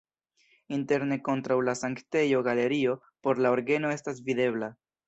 Interne kontraŭ la sanktejo galerio por la orgeno estas videbla.